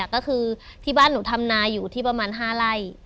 ก็คือที่บ้านหนูทำนาอยู่ที่ประมาณ๕ไร่